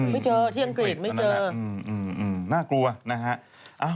ไม่เจอที่อังกฤษไม่เจอน่ากลัวนะฮะ